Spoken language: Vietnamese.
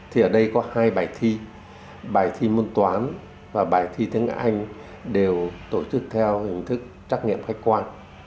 thì ở đây có hai bài thi bài thi môn toán và bài thi tiếng anh đều tổ chức theo hình thức trắc nghiệm khách quan